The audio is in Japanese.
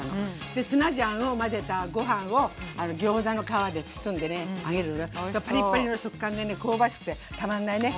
でツナジャンを混ぜたご飯をギョーザの皮で包んでね揚げるとパリッパリの食感でね香ばしくてたまんないね。